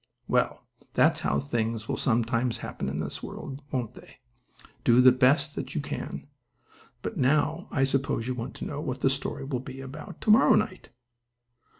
Well, that's how things will sometimes happen in this world, won't they? do the best that you can. But now I suppose you want to know what the story will be about to morrow night.